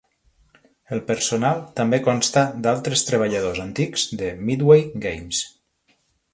El personal també consta d'altres treballadors antics de Midway Games.